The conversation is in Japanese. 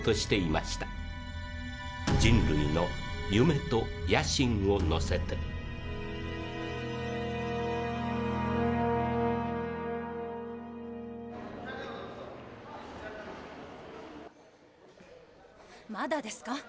人類の夢と野心を乗せてまだですか？